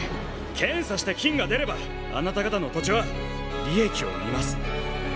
検査して金が出ればあなた方の土地は利益を生みます。